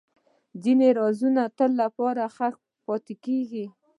ځینې رازونه تل ښخ پاتې کېږي.